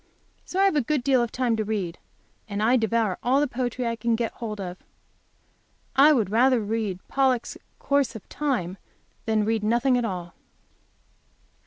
So I have a good deal of time to read, and I devour all the poetry I can get hold of. I would rather read "Pollok's Course of Time" than read nothing at all.